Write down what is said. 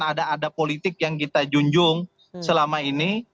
dan ada ada politik yang kita junjung selama ini